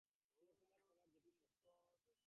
চিরকুমার-সভার দুটো সভ্য?